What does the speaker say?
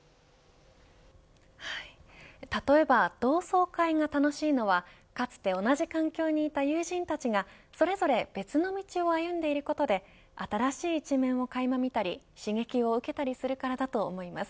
例えば同窓会が楽しいのはかつて同じ環境にいた友人たちがそれぞれ別の道を歩んでいることで新しい一面をかいま見たり刺激を受けたりするからだと思います。